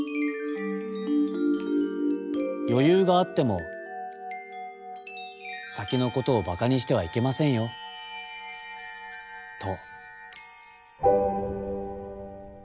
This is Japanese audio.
「よゆうがあってもさきのことをばかにしてはいけませんよ」と。